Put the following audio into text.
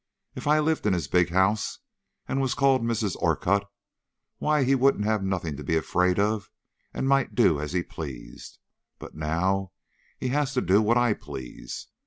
If I lived in his big house and was called Mrs. Orcutt, why, he would have nothing to be afraid of and might do as he pleased; but now he has to do what I please.